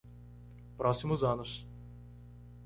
Próximos anos